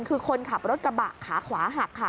คือคนขับรถกระบะขาขวาหักค่ะ